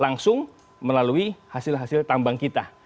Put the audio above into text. langsung melalui hasil hasil tambang kita